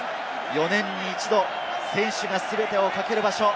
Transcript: ４年に一度、選手が全てをかける場所。